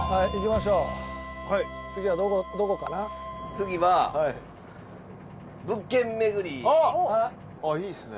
次はああいいですね。